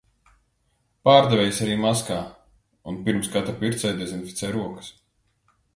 Pārdevējs arī maskā un pirms katra pircēja dezinficē rokas.